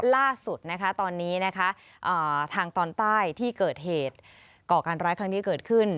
ล่าสุดนะคะตอนนี้นะคะทางตอนใต้ที่เกิดเหตุก่อการร้ายครั้งนี้เกิดขึ้น